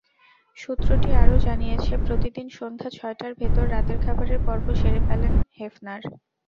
সূত্রটি আরও জানিয়েছে, প্রতিদিন সন্ধ্যা ছয়টার ভেতর রাতের খাবারের পর্ব সেরে ফেলেন হেফনার।